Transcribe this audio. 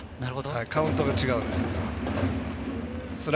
カウントが違うんです。